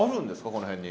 この辺に。